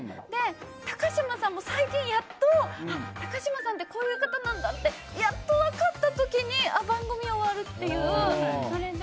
高嶋さんも最近やっと高嶋さんってこういう方なんだってやっと分かった時に番組終わるっていう、あれで。